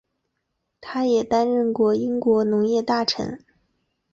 他也担任过英国农业大臣。